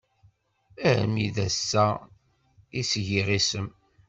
Armi d ass-a i s-giɣ isem.